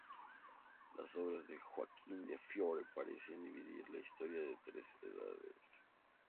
Las obras de Joaquín de Fiore parecen dividir la historia en tres edades.